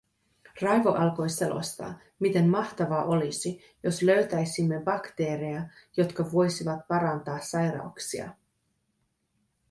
Raivo alkoi selostaa, miten mahtavaa olisi, jos löytäisimme bakteereja, jotka voisivat parantaa sairauksia.